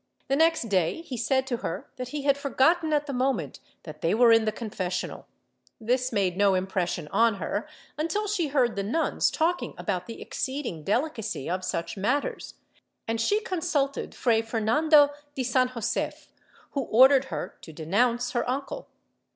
The next day he said to her that he had forgotten at the moment that they were in the confessional; this made no impression on her, until she heard the nuns talking about the exceeding delicacy of such matters, and she consulted Fray Fer nando de San Josef, who ordered her to denounce her uncle.